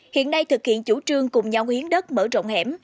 hiện nay thực hiện chủ trương cùng nhau hiến đất mở rộng hẻm